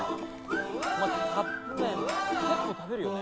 まあカップ麺結構食べるよね？